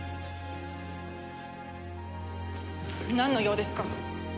なんの用ですか？